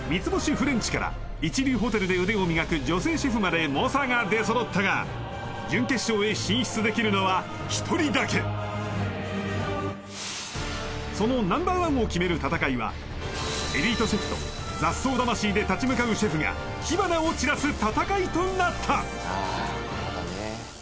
フレンチから一流ホテルで腕を磨く女性シェフまで猛者が出そろったが準決勝へ進出できるのは１人だけそのＮｏ．１を決める戦いはエリートシェフと雑草魂で立ち向かうシェフが火花を散らす戦いとなったああーあったね